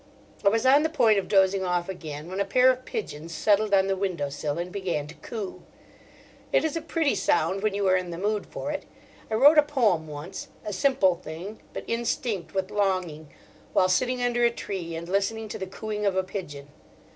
I was on the point of dozing off again when a pair of pigeons settled on the window sill and began to coo. It is a pretty sound when you are in the mood for it. I wrote a poem once—a simple thing, but instinct with longing—while sitting under a tree and listening to the cooing of a pigeon.